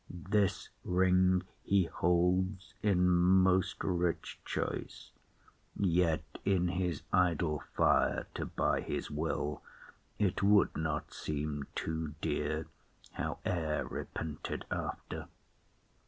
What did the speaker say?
This ring he holds In most rich choice; yet, in his idle fire, To buy his will, it would not seem too dear, Howe'er repented after.